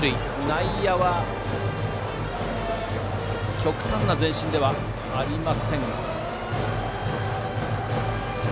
内野は極端な前進ではありません。